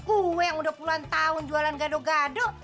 gue yang udah puluhan tahun jualan gado gado